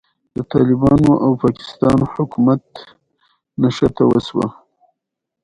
ته په وخت ځان راورسوه